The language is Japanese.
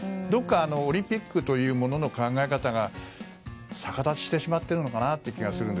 どこかオリンピックというものの考え方が逆立ちしてしまっているのかなと思います。